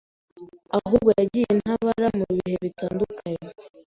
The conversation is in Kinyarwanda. ahubwo yagiye intabara mu bihe bitandukanye